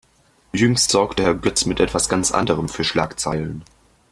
Jüngst sorgte Herr Götz mit etwas ganz anderem für Schlagzeilen.